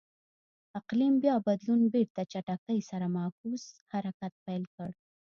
اقلیم بیا بدلون بېرته چټکۍ سره معکوس حرکت پیل کړ.